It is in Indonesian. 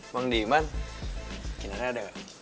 mang diman kinarnya ada gak